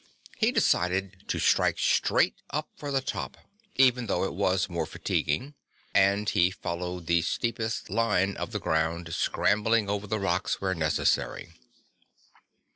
He decided to strike straight up for the top, even though it was more fatiguing, and he followed the steepest line of the ground, scrambling over the rocks where necessary.